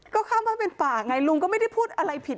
ก็ข้ามบ้านเป็นป่าไงลุงก็ไม่ได้พูดอะไรผิด